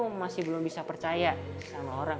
karena aku masih belum bisa percaya sama orang